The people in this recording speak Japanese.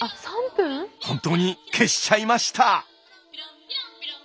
本当に消しちゃいました。